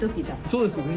そうですよね。